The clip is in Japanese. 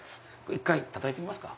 一回たたいてみますか？